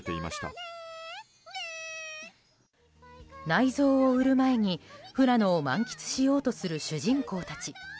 内臓を売る前に、富良野を満喫しようとする主人公たち。